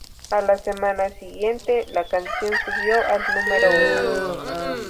A la semana siguiente, la canción subió al número uno.